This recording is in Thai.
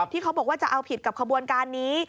ที่เขาบอกว่าจะเอาผิดกับขบวนการนี้